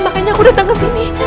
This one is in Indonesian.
makanya aku datang kesini